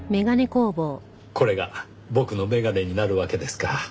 これが僕の眼鏡になるわけですか。